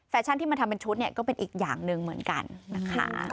ชั่นที่มาทำเป็นชุดเนี่ยก็เป็นอีกอย่างหนึ่งเหมือนกันนะคะ